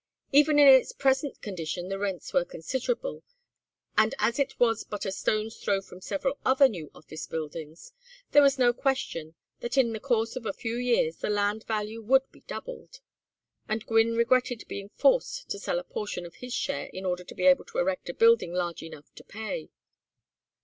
Even in its present condition the rents were considerable, and as it was but a stone's throw from several other new office buildings, there was no question that in the course of a few years the land value would be doubled, and Gwynne regretted being forced to sell a portion of his share in order to be able to erect a building large enough to pay.